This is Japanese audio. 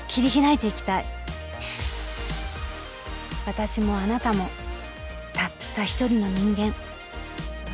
私もあなたもたった一人の人間。